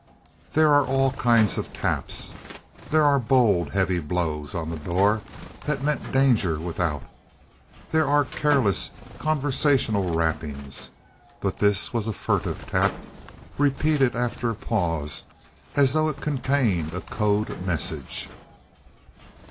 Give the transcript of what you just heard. There are all kinds of taps. There are bold, heavy blows on the door that mean danger without; there are careless, conversational rappings; but this was a furtive tap, repeated after a pause as though it contained a code message.